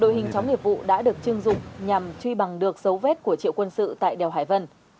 đội hình chó nghiệp vụ đã được chưng dụng nhằm truy bằng được dấu vết của triệu quân sự tại đèo hải vân